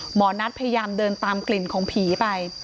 หมอนัทพยายามเดินตามกลิ่นของผีไป